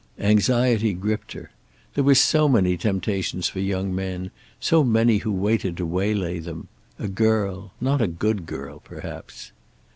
Anxiety gripped her. There were so many temptations for young men, so many who waited to waylay them. A girl. Not a good girl, perhaps.